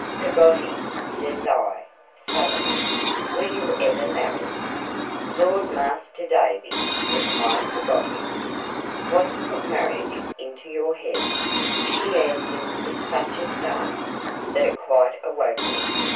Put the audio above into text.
'Peggotty,' says I, suddenly, 'were you ever married?' 'Lord, Master Davy,' replied Peggotty. 'What's put marriage in your head?' She answered with such a start, that it quite awoke me.